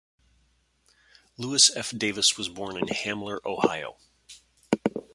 Louis F. Davis was born in Hamler, Ohio.